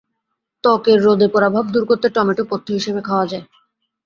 ত্বকের রোদে পোড়া ভাব দূর করতে টমেটো পথ্য হিসেবে খাওয়া যায়।